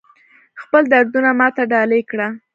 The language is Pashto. خپل دردونه ماته ډالۍ کړه